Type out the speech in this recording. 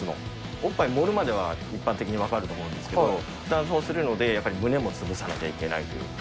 おっぱい盛るまでは一般的に分かると思うんですけど、男装するので、やっぱり胸も潰さなきゃいけないという。